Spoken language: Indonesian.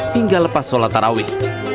hingga lepas sholat taraweh